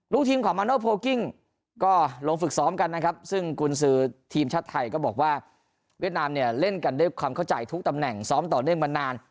ลูกทีมของมาโนโพลกิ้งก็ลงฝึกซ้อมกันนะครับซึ่งกุญสือทีมชาติไทยก็บอกว่าเวียดนามเนี่ยเล่นกันด้วยความเข้าใจทุกตำแหน่งซ้อมต่อเนื่องมานาน